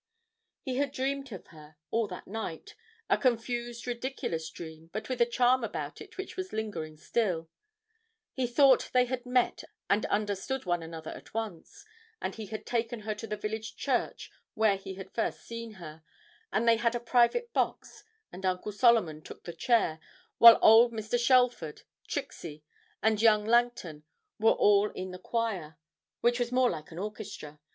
He had dreamed of her all that night a confused ridiculous dream, but with a charm about it which was lingering still; he thought they had met and understood one another at once, and he had taken her to the village church where he had first seen her, and they had a private box, and Uncle Solomon took the chair, while old Mr. Shelford, Trixie, and young Langton were all in the choir, which was more like an orchestra.